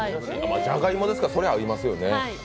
じゃがいもですから、そりゃありますよね。